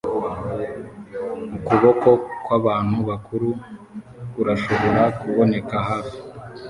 ukuboko kwabantu bakuru kurashobora kuboneka hafi